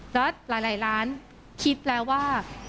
แล้วหลายล้านคิดแล้วว่า